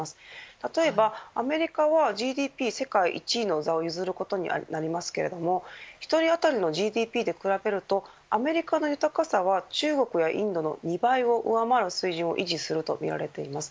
例えばアメリカはＧＤＰ世界１位の座を譲ることになりますけれども１人当たりのＧＤＰで比べるとアメリカの豊かさは中国やインドの２倍を上回る水準を維持するとみられています。